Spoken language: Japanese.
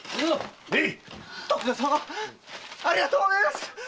徳田様ありがとうございます！